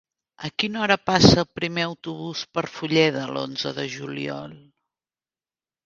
A quina hora passa el primer autobús per Fulleda l'onze de juliol?